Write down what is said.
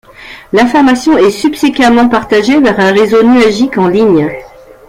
L’information est subséquemment partagée vers un réseau nuagique en ligne.